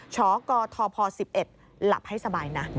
ชกทพ๑๑หลับให้สบายนะ